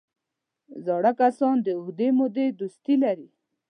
زاړه کسان د اوږدې مودې دوستي لري